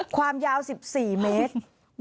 ความยาว๑๔เมตร